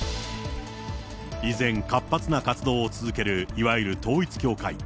依然、活発な活動を続けるいわゆる統一教会。